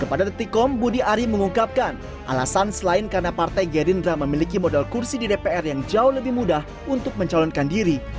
kepada detikkom budi ari mengungkapkan alasan selain karena partai gerindra memiliki modal kursi di dpr yang jauh lebih mudah untuk mencalonkan diri